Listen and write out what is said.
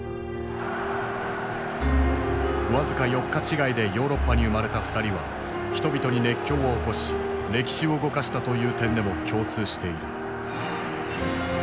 僅か４日違いでヨーロッパに生まれた二人は人々に熱狂を起こし歴史を動かしたという点でも共通している。